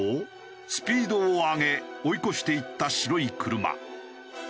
スピードを上げ追い越していった白い車。